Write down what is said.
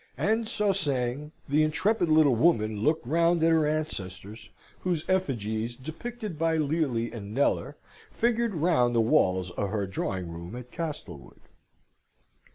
And so saying, the intrepid little woman looked round at her ancestors, whose effigies, depicted by Lely and Kneller, figured round the walls of her drawing room at Castlewood.